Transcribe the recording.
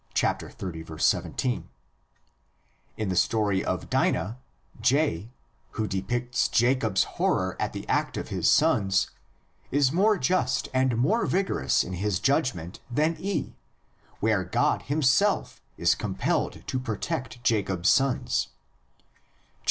17); in the story of Dinah, J, who depicts Jacob's horror at the act of his sons, is more just and more vigorous in his judgment than E, where God himself is compelled to protect Jacob's sons (xxxv.